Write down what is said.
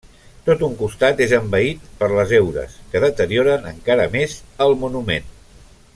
Tot un costat és envaït per les heures, que deterioren encara més el monument.